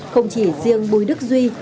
không chỉ riêng bùi đức duy